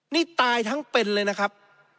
นี่ตายทั้งเป็นเลยนะครับ